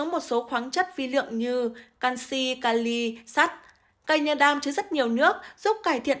một số khoáng chất vi lượng như canxi kali sắt cây nha đam chứa rất nhiều nước giúp cải thiện